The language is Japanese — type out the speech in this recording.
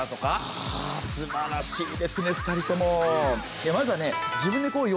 あすばらしいですね２人とも。